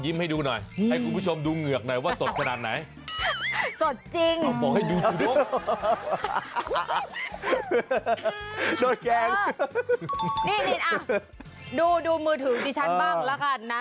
นี่ดูมือถือดิฉันบ้างแล้วกันนะ